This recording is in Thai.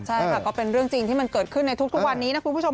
ใช่ค่ะก็เป็นเรื่องจริงที่มันเกิดขึ้นในทุกวันนี้นะคุณผู้ชม